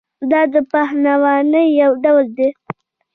دا د پهلوانۍ یو ډول دی.